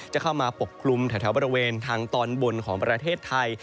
จะเข้ามาปกคลุมแถวบริเวณทางตอนบนของประเทศไทย